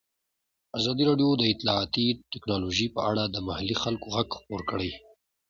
ازادي راډیو د اطلاعاتی تکنالوژي په اړه د محلي خلکو غږ خپور کړی.